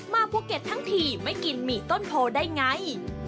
ภูเก็ตทั้งทีไม่กินหมี่ต้นโพได้ไง